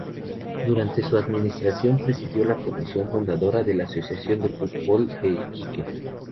Durante su administración presidió la comisión fundadora de la Asociación de Fútbol de Iquique.